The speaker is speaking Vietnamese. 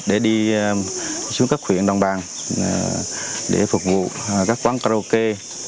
để đi xuống các huyện đồng bàn để phục vụ các quán karaoke